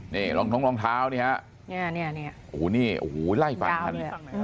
นี่รองท้องรองเท้านี่ฮะโอ้โหนี่โอ้โหไล่ฟัง